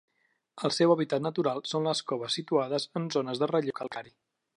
El seu hàbitat natural són les coves situades en zones de relleu calcari.